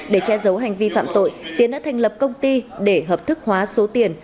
để che giấu hành vi phạm tội tiến đã thành lập công ty để hợp thức hóa số tiền